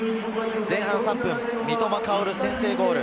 前半前半３分、三笘薫が先制ゴール。